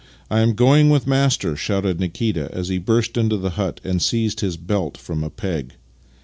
I am going with master!" shouted Nikita as he burst into the hut and seized his belt from a peg.